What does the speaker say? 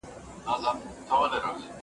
لکه مستي چي په شرابو او په بنګ کي غورځي